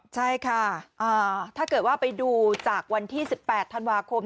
ใช่ค่ะถ้าเกิดว่าไปดูจากวันที่๑๘ธันวาคม